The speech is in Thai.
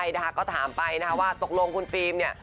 ใช่นะคะก็ถามไปนะคะว่าตกลงคุณฟิล์มเนี่ย